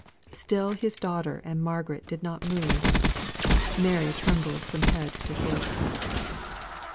Still his daughter and Margaret did not move. Mary trembled from head to foot.